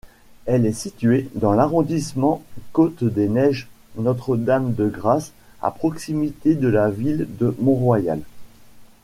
Elle est située dans l'arrondissement Côte-des-Neiges–Notre-Dame-de-Grâce, à proximité de la ville de Mont-Royal.